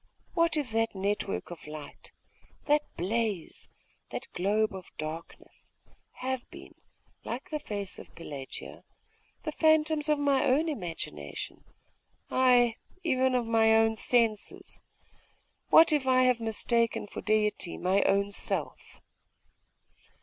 What if that network of light, that blaze, that globe of darkness, have been, like the face of Pelagia, the phantoms of my own imagination ay, even of my own senses? What if I have mistaken for Deity my own self?